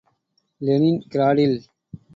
Lenin கிராடில் ….